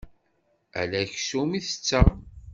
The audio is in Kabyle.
Ala aksum i tetteɣ.